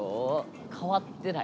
変わってない。